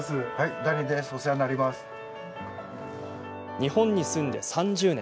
日本に住んで３０年。